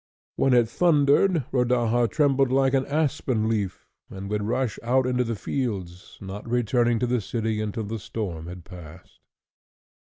When it thundered, Rodaja trembled like an aspen leaf, and would rush out into the fields, not returning to the city until the storm had passed.